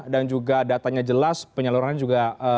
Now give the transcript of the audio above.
dan juga datanya jelas penyalurannya juga